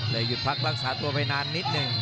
หยุดพักรักษาตัวไปนานนิดหนึ่ง